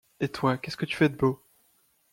Et toi, qu’est-ce que tu fais de beau ?